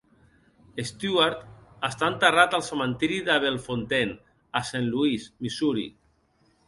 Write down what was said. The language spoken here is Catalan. Stewart està enterrat al cementiri de Bellefontaine, a Saint Louis, Missouri.